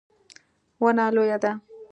ونه لویه ده